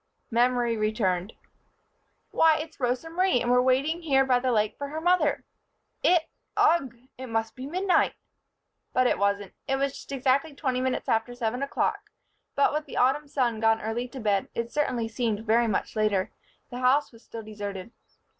Memory returned. "Why! It's Rosa Marie, and we're waiting here by the lake for her mother. It ugh! It must be midnight!" But it wasn't. It was just exactly twenty minutes after seven o'clock but, with the autumn sun gone early to bed, it certainly seemed very much later. The house was still deserted.